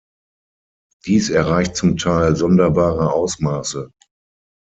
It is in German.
Dies erreicht zum Teil sonderbare Ausmaße.